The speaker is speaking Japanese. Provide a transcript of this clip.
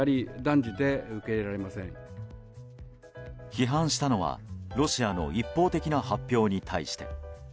批判したのはロシアの一方的な発表に対して。